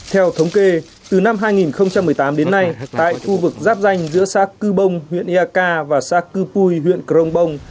theo thống kê từ năm hai nghìn một mươi tám đến nay tại khu vực giáp danh giữa xã cư bông huyện ea k và xã cư pui huyện krombong